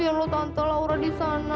iya tante kasian lo tante laura di sana